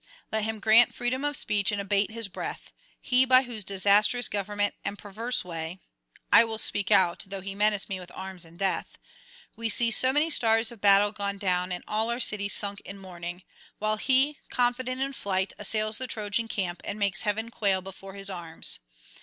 Let him grant freedom of speech and abate his breath, he by whose disastrous government and perverse way (I will speak out, though he menace me with arms and death) we see so many stars of battle gone down and all our city sunk in mourning; while he, confident in flight, assails the Trojan camp and makes heaven quail before his arms.